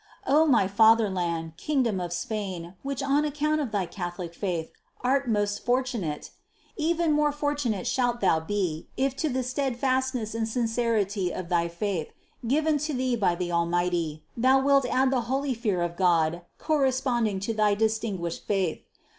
306. O my fatherland, kingdom of Spain, which on account of thy Catholic faith, art most fortunate ! Even more fortunate shalt thou be if to the steadfastness and sincerity of thy faith, given to thee by the Almighty, thou wilt add the holy fear of God corresponding to thy distinguished faith!